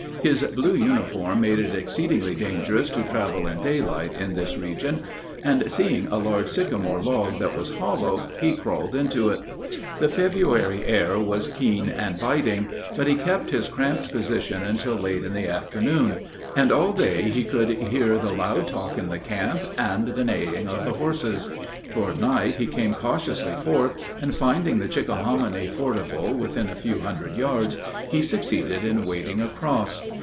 His blue uniform made it exceedingly dangerous to travel in daylight in this region; and seeing a large sycamore log that was hollow, he crawled into it. The February air was keen and biting, but he kept his cramped position until late in the afternoon; and all day he could hear the loud talk in the camp and the neighing of the horses. Toward night he came cautiously forth, and finding the Chickahominy fordable within a few hundred yards, he succeeded in wading across.